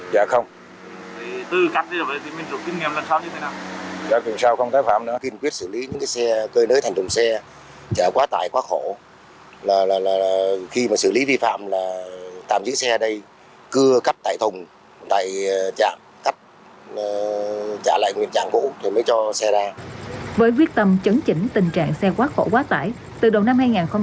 với quyết tâm chấn chỉnh tình trạng xe quá khổ quá tải từ đầu năm hai nghìn hai mươi